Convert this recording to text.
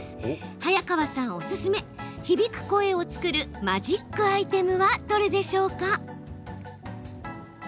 早川さんおすすめ響く声を作るマジックアイテムはどれでしょうか？